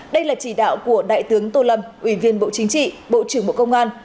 đây là chỉ đạo của đại tướng tô lâm ủy viên bộ chính trị bộ trưởng bộ công an